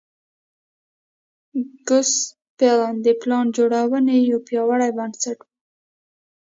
ګوسپلن د پلان جوړونې یو پیاوړی بنسټ و